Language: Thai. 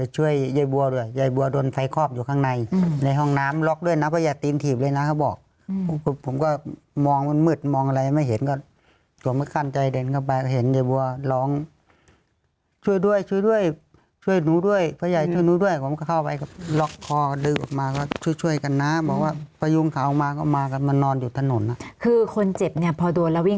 ช่วยยายบัวด้วยยายบัวโดนไฟคอกอยู่ข้างในในห้องน้ำล็อกด้วยนะเพราะยายตีนถีบเลยนะเขาบอกผมก็มองมันมืดมองอะไรไม่เห็นก็สวมมากั้นใจเดินเข้าไปเห็นยายบัวร้องช่วยด้วยช่วยด้วยช่วยหนูด้วยเพราะยายช่วยหนูด้วยผมก็เข้าไปก็ล็อกคอดึงออกมาก็ช่วยช่วยกันนะบอกว่าพยุงเขามาก็มากันมานอนอยู่ถนนคือคนเจ็บเนี่ยพอโดนแล้ววิ่ง